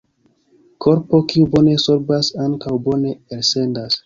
Korpo kiu bone sorbas ankaŭ bone elsendas.